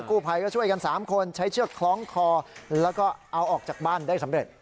กู้ภัยก็ช่วยกัน๓คนใช้เชือกคล้องคอแล้วก็เอาออกจากบ้านได้สำเร็จ